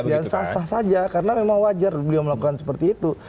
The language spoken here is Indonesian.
dan sasah saja karena memang wajar beliau melakukan seperti itu